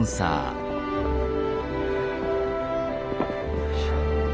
よいしょ。